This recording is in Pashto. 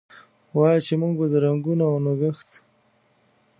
وایه! چې موږ به د رنګونو اونګهت،